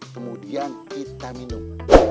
kemudian kita minum